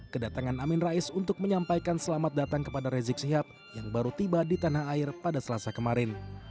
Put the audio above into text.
kedatangan amin rais untuk menyampaikan selamat datang kepada rizik sihab yang baru tiba di tanah air pada selasa kemarin